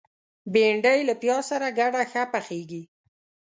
بېنډۍ له پیاز سره ګډه ښه پخیږي